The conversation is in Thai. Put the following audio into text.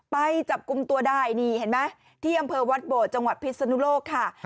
ไปจับกลุ่มตัวได้นี่เห็นไหมที่อำเภอวัดโบดจังหวัดพิศนุโลกค่ะ